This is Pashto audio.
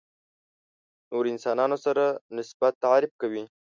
نورو انسانانو سره نسبت تعریف کوي.